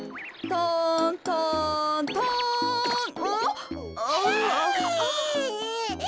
トントントンうん？